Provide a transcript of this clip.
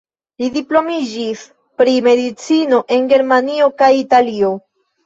Li diplomitiĝis pri medicino en Germanio kaj Italio.